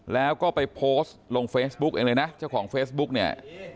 แล้วก็ไปโพสต์ลงเฟซบุ๊กเองเลยนะเจ้าของเฟซบุ๊กเนี่ย